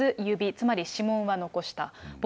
つまり指紋は残した。